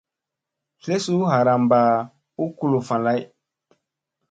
Sle suu ɦaramba u kuluffa lay.